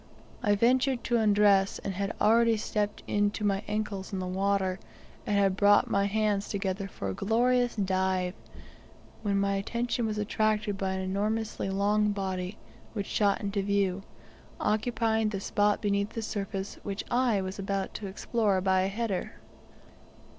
I ventured to undress, and had already stepped in to my ancles in the water, and had brought my hands together for a glorious dive, when my attention was attracted by an enormously long body which shot into view, occupying the spot beneath the surface that I was about to explore by a "header."